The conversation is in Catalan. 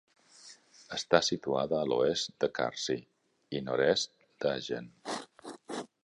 Està situada a l'oest de Carcí i nord-est d'Agen.